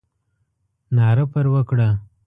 ناره پر وکړه.